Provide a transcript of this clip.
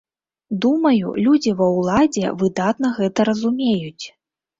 Думаю, людзі ва ўладзе выдатна гэта разумеюць.